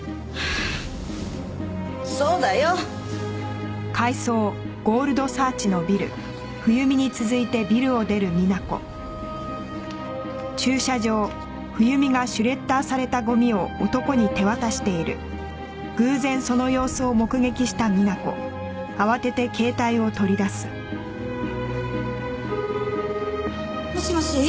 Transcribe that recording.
そうだよ。もしもし？